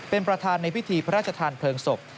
เป็นประธานในพิธีพระราชทานเพลิงศพ